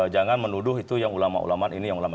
jangan menuduh itu yang ulama ulama ini yang ulama